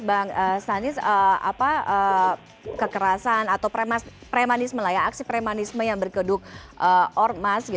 bang sandis kekerasan atau premanisme aksi premanisme yang berkeduk ormas